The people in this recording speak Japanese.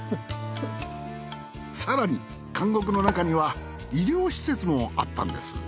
さらに監獄の中には医療施設もあったんです。